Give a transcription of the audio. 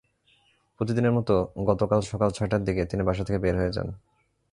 প্রতিদিনের মতো গতকাল সকাল ছয়টার দিকে তিনি বাসা থেকে বের হয়ে যান।